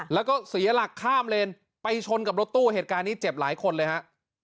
แล้วก็เสียหลักข้ามเลนไปชนกับรถตู้เหตุการณ์นี้เจ็บหลายคนเลยฮะ